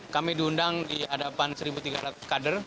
kami diundang di hadapan satu tiga ratus kader